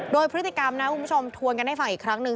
โดยพฤติกรรมนะคุณผู้ชมทวนกันให้ฟังอีกครั้งหนึ่ง